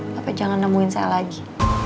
bapak jangan nemuin saya lagi